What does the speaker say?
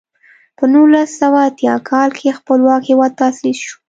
په نولس سوه اتیا کال کې خپلواک هېواد تاسیس شو.